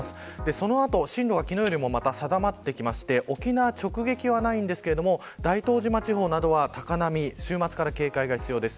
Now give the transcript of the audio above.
その後、進路は昨日よりも定まってきて沖縄直撃はないんですけど大東島地方などは高波週末から警戒が必要です。